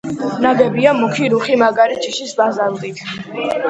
ნაგებია მუქი რუხი, მაგარი ჯიშის ბაზალტით.